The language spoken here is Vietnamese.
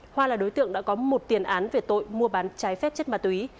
hoa là đối tượng đã có một tiền án về tội mua bán trái phép chất ma túy